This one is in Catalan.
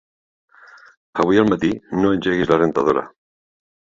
Avui al matí no engeguis la rentadora.